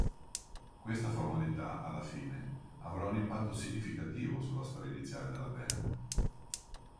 Questa formalità alla fine avrà un impatto significativo sulla storia iniziale della band.